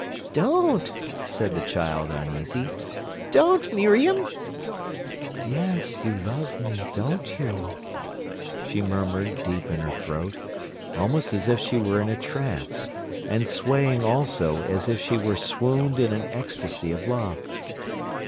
"Don't!" said the child, uneasy—"don't, Miriam!" "Yes; you love me, don't you?" she murmured deep in her throat, almost as if she were in a trance, and swaying also as if she were swooned in an ecstasy of love.